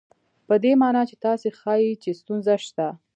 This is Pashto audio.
په دې مانا چې تاسې ښيئ چې ستونزه شته.